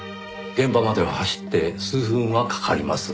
現場までは走って数分はかかります。